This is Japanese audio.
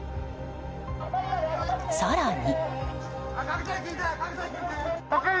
更に。